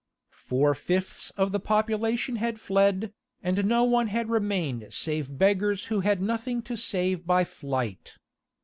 Four fifths of the population had fled, and no one had remained save beggars who had nothing to save by flight.